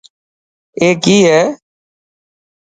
اي ڪي هي.